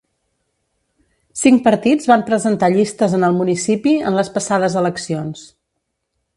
Cinc partits van presentar llistes en el municipi en les passades eleccions.